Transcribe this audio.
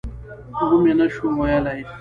ومې نه شوای ویلای.